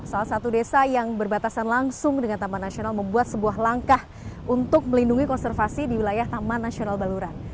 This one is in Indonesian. salah satu desa yang berbatasan langsung dengan taman nasional membuat sebuah langkah untuk melindungi konservasi di wilayah taman nasional baluran